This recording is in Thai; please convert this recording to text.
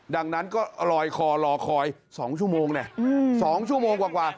ดังนั้นก็ลอยคอรอคอย๒ชั่วโมง๒ชั่วโมงกว่า